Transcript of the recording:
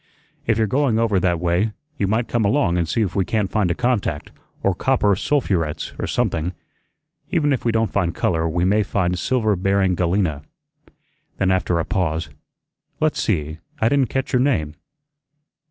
"If you're going over that way, you might come along and see if we can't find a contact, or copper sulphurets, or something. Even if we don't find color we may find silver bearing galena." Then, after a pause, "Let's see, I didn't catch your name."